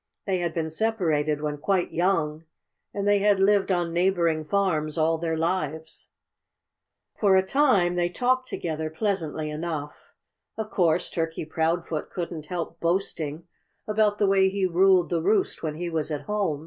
They had been separated when quite young; and they had lived on neighboring farms all their lives. For a time they talked together pleasantly enough. Of course Turkey Proudfoot couldn't help boasting about the way he ruled the roost when he was at home.